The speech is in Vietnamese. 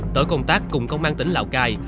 tối công tác cùng công an tỉnh lào cai